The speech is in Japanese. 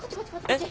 えっ？